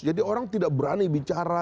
jadi orang tidak berani bicara